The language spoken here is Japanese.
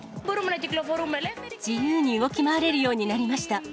自由に動き回れるようになりました。